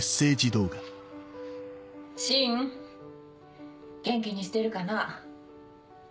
芯元気にしてるかな？